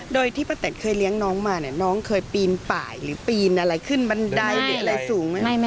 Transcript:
โดยที่ป้าแตนเคยเลี้ยงน้องมาเนี่ยน้องเคยปีนป่ายหรือปีนอะไรขึ้นบันไดหรืออะไรสูงไหม